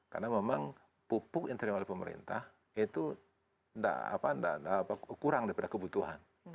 karena memang pupuk yang terima oleh pemerintah itu kurang daripada kebutuhan